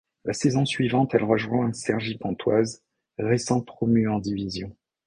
La saison suivante, elle rejoint Cergy-Pontoise, récent promu en division.